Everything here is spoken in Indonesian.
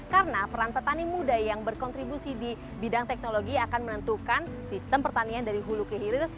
karena peran petani muda yang berkontribusi di bidang teknologi akan menentukan sistem pertanian dari hulu ke hilir